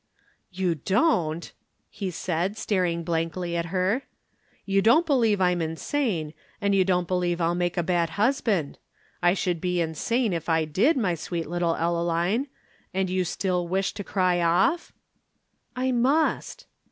"You don't!" he said, staring blankly at her. "You don't believe I'm insane, and you don't believe I'll make a bad husband I should be insane if I did, my sweet little Ellaline. And you still wish to cry off?" "I must."